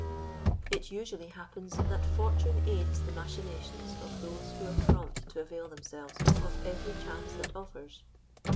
It usually happens that fortune aids the machinations of those who are prompt to avail themselves of every chance that offers.